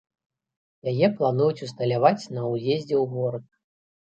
Яе плануюць усталяваць на ўездзе ў горад.